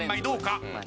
どうか？